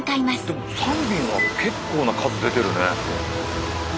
でも３便は結構な数出てるね。